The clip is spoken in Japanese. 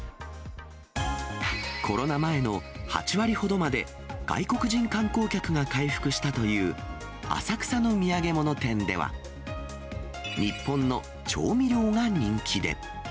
コロナ前の８割ほどまで外国人観光客が回復したという、浅草の土産物店では、日本の調味料が人気で。